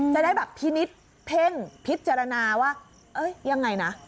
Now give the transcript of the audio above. จะได้แบบพินิษฐ์เพ่งพิจารณาว่ายังไงนะ